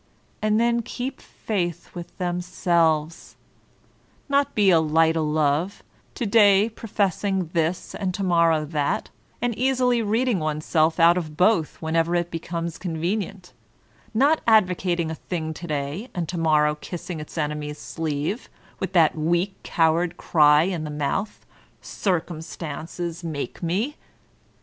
And then keep faith with themselves I Not be a light oMove, to day pro fessing this and to morrow that, and easily reading one self out of both whenever it becomes convenient; not advocating a thing to day, and to morrow kissing its enemies' sleeve, with that weak, coward cry in the mouth, ''Grcumstances make me."